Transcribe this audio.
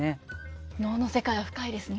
能の世界は深いですね。